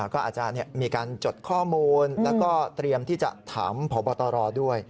ก็อาจจะมีการจดข้อมูลแล้วก็เตรียมที่จะถามพบตรด้วย